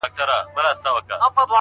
بهېږي مي رګ رګ کي ستا شراب شراب خیالونه,